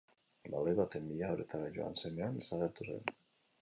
Baloi baten bila uretara joan zenean desagertu zen.